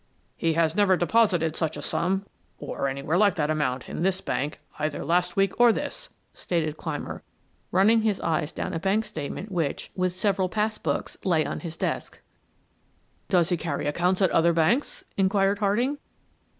"He has never deposited such a sum, or anywhere like that amount in this bank either last week or this," stated Clymer, running his eyes down a bank statement which, with several pass books, lay on his desk. "Does he carry accounts at other banks?" inquired Harding.